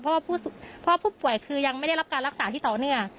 เพราะว่าผู้ป่วยคือยังไม่ได้รับการรักษาที่ต่อเนื่อง